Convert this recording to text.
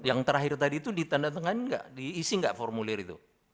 yang terakhir tadi itu ditandatangani enggak diisi enggak formulir itu